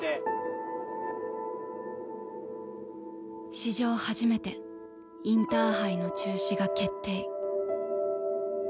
史上初めてインターハイの中止が決定。